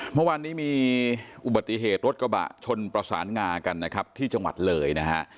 เมื่อวานนี้มีอุบัติเหตุรสกระบะชนบษาวงาน์งากันที่จังหวัดเหลย